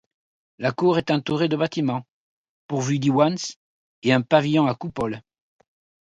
La cour est entourée de bâtiments, pourvus d'iwans et un pavillon à coupole.